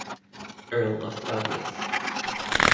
Earl of Douglas.